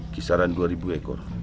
kisaran dua ribu ekor